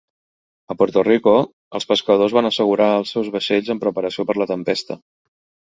A Puerto Rico, els pescadors van assegurar els seus vaixells en preparació per a la tempesta.